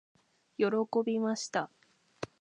喜びました。